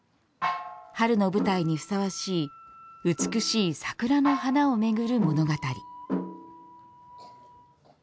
春の舞台にふさわしい美しい桜の花を巡る物語。